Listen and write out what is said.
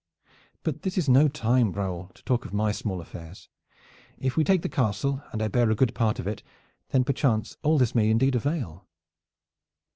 But this is no time, Raoul, to talk of my small affairs. If we take the castle and I bear a good part in it, then perchance all this may indeed avail."